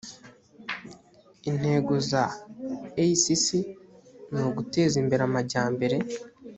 intego za g a c c ni guteza imbere amajyambere